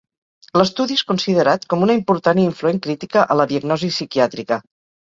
L'estudi és considerat com una important i influent crítica a la diagnosi psiquiàtrica.